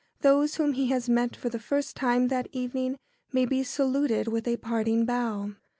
Those whom he has met for the first time that evening may be saluted with a parting bow.